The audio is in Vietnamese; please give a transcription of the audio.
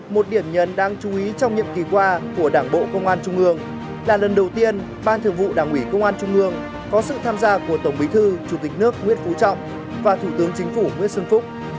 một điểm nhấn đáng chú ý trong nhiệm kỳ qua của đảng bộ công an trung ương là lần đầu tiên ban thường vụ đảng ủy công an trung ương có sự tham gia của tổng bí thư chủ tịch nước nguyễn phú trọng và thủ tướng chính phủ nguyễn xuân phúc